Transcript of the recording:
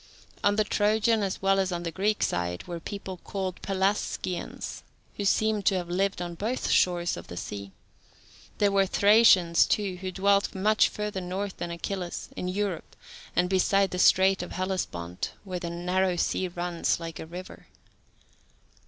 On the Trojan as well as on the Greek side were people called Pelasgians, who seem to have lived on both shores of the sea. There were Thracians, too, who dwelt much further north than Achilles, in Europe and beside the strait of Hellespont, where the narrow sea runs like a river.